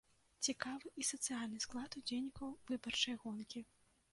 Цікавы і сацыяльны склад удзельнікаў выбарчай гонкі.